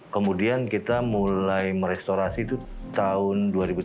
kemudian kita mulai merestorasi itu tahun dua ribu tiga belas